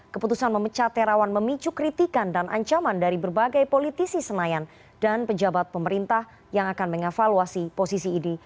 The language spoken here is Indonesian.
keputusan memecah terawan memicu kritikan dan ancaman dari berbagai politisi senayan dan pejabat pemerintah yang akan mengevaluasi posisi idi